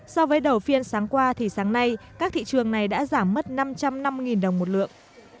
so với đầu phiên sáng qua thì sáng nay các thị trường này đã giảm mất năm trăm năm đồng một lượng